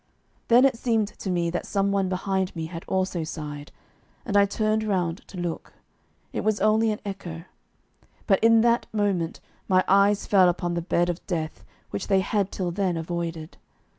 Then it seemed to me that some one behind me had also sighed, and I turned round to look. It was only an echo. But in that moment my eyes fell upon the bed of death which they had till then avoided.